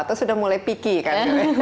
atau sudah mulai picky kan